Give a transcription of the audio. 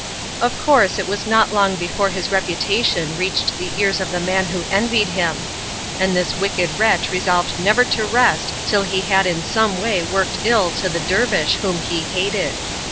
Of course it was not long before his reputation reached the ears of the man who envied him, and this wicked wretch resolved never to rest till he had in some way worked ill to the dervish whom he hated.